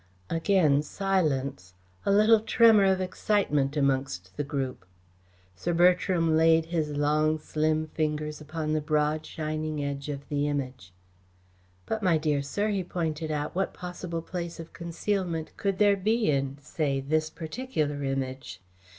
Again silence; a little tremor of excitement amongst the group. Sir Bertram laid his long, slim fingers upon the broad, shining edge of the Image. "But, my dear sir," he pointed out, "what possible place of concealment could there be in, say, this particular Image?